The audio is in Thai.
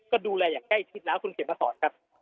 ก็ดูแลอย่างใกล้ทิศแล้วคุณเขตพระสอร์ตครับ